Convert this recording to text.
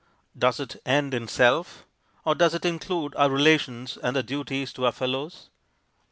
Does it end in self, or does it include our relations and our duties to our fellows?